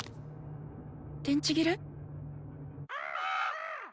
電池切れ？